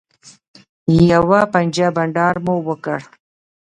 یوه پنجه بنډار مو وکړ.